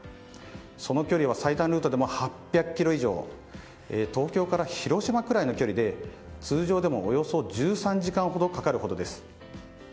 その距離は最短ルートでも８００ｋｍ以上東京から広島くらいの距離で通常でも、およそ１３時間ほどかかる距離です。